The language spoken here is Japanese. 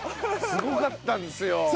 すごかったんですよ。